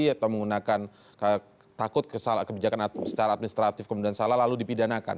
atau menggunakan takut kebijakan secara administratif kemudian salah lalu dipidanakan